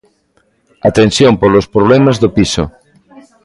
A tensión polos problemas do piso.